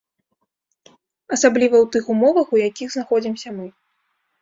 Асабліва ў тых умовах, у якіх знаходзімся мы.